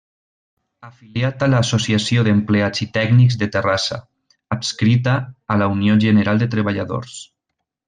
Afiliat a l'Associació d'Empleats i Tècnics de Terrassa, adscrita a la Unió General de Treballadors.